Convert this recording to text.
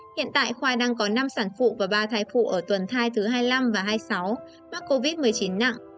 hiện tại khoa đang có năm sản phụ và ba thai phụ ở tuần thai thứ hai mươi năm và hai mươi sáu mắc covid một mươi chín nặng